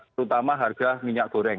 terutama harga minyak goreng